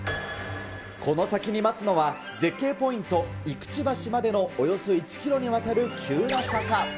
この先に待つのは絶景ポイント、生口橋までのおよそ１キロにわたる急な坂。